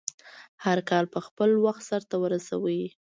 هرکار په خپل وخټ سرته ورسوی